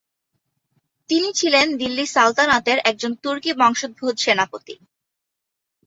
তিনি ছিলেন দিল্লী সালতানাতের একজন তুর্কি বংশোদ্ভূত সেনাপতি।